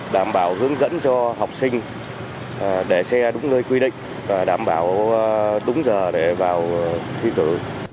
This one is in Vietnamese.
đảm bảo hướng dẫn cho học sinh để xe đúng nơi quy định và đảm bảo đúng giờ để vào thi cử